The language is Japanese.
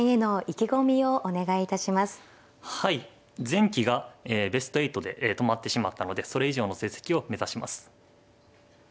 前期がベスト８で止まってしまったのでそれ以上の成績を目指します。